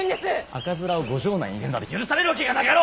赤面をご城内に入れるなど許されるわけがなかろう！